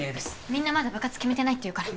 みんなまだ部活決めてないっていうから。